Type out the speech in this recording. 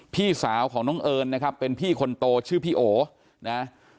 พี่สาวของน้องเอิญนะครับเป็นพี่คนโตชื่อพี่โอนะ